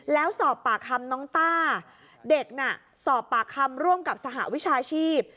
แล้วสอบปากคำน้องต้าเด็กน่ะสอบปากคำร่วมกับสหวิชาชีพ